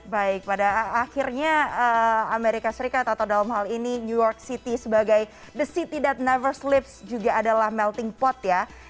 baik pada akhirnya amerika serikat atau dalam hal ini new york city sebagai the city that never sleeps juga adalah melting pot ya